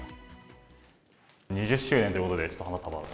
２０周年ということで、ちょっと花束を。